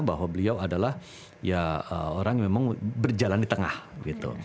bahwa beliau adalah ya orang yang memang berjalan di tengah gitu